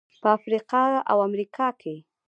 په افریقا او امریکا کې.